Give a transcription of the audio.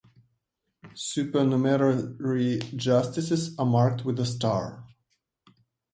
Supernumerary Justices are marked with a star.